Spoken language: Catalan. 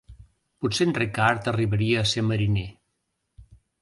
Potser en Ricard arribaria a ser mariner.